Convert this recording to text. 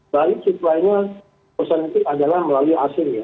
bali supply nya prosentif adalah melalui asing ya